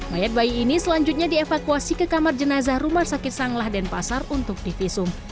mayat bayi ini selanjutnya dievakuasi ke kamar jenazah rumah sakit sanglah denpasar untuk divisum